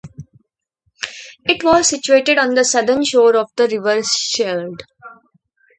It was situated on the southern shore of the river Scheldt.